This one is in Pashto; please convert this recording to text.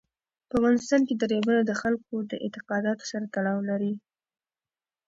په افغانستان کې دریابونه د خلکو د اعتقاداتو سره تړاو لري.